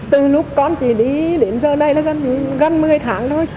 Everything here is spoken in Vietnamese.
từ lúc con chỉ đi đến giờ đây là gần một mươi tháng thôi